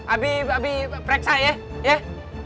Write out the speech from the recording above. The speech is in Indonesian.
abi abi periksa ya